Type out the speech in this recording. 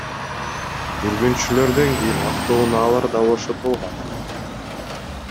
Жүргүнчүлөрдөн кийин автоунаалар да бошотулган.